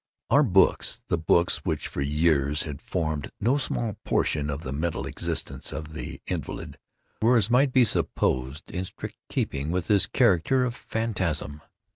Our books—the books which, for years, had formed no small portion of the mental existence of the invalid—were, as might be supposed, in strict keeping with this character of phantasm.